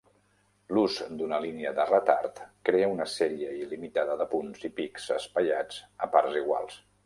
L'ús d'una línia de retard crea una sèrie il·limitada de punts i pics espaiats a parts iguals.